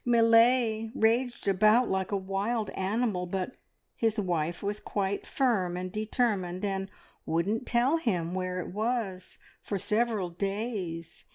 Millais raged about like a wild animal, but his wife was quite firm and determined, and wouldn't tell him where it was for several days.